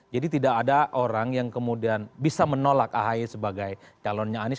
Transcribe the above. jadi tidak ada orang yang kemudian bisa menolak ahaye sebagai calonnya anies